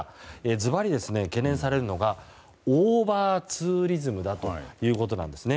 ずばり懸念されるのがオーバーツーリズムだということなんですね。